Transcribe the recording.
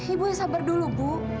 ibu sabar dulu bu